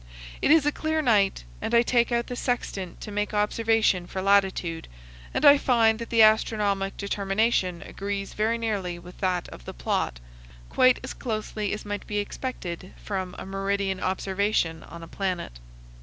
It is a clear night, and I take out the sextant to make observation for latitude, and I find that the astronomic determination agrees very nearly with that of the plot quite as closely as might be expected from a meridian observation on a planet.